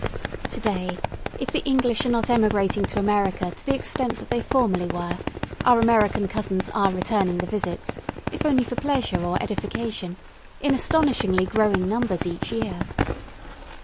To day, if the English are not emigrating to America to the extent that they formerly were, our American cousins are returning the visits, if only for pleasure or edification, in astonishingly growing numbers each year.